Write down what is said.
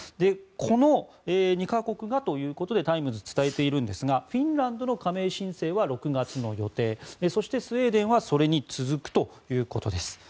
この２か国がということでタイムズが伝えているんですがフィンランドの加盟申請は６月の予定そしてスウェーデンはそれに続くということです。